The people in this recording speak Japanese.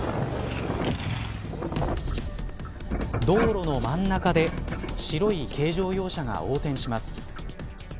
道路の真ん中で白い軽乗用車が横転します。